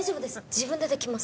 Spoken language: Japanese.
自分でできます